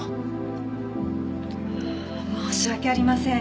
申し訳ありません。